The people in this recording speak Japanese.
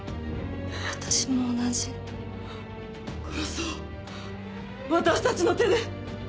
私も同じ殺そう私たちの手で！